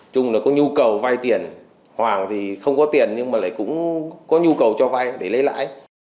trung là có nhu cầu vay tiền hoàng thì không có tiền nhưng mà lại cũng có nhu cầu cho vay để lấy lãi